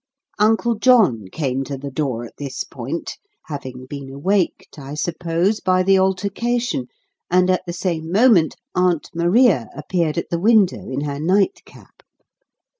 Uncle John came to the door at this point, having been awaked, I suppose, by the altercation; and, at the same moment, Aunt Maria appeared at the window in her nightcap.